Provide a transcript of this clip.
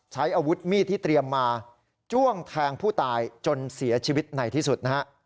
ใช้อาวุธมีดที่เตรียมมาจ้วงแทงผู้ตายจนเสียชีวิตในที่สุดนะฮะ